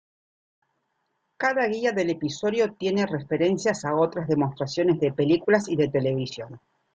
Cada guía del episodio tiene referencias a otras demostraciones de películas y de televisión.